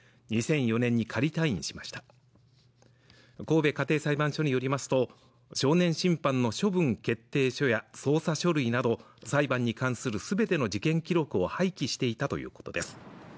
２００４年に仮退院しました神戸家庭裁判所によりますと少年審判の処分決定書や捜査書類など裁判に関するすべての事件記録を廃棄していたということです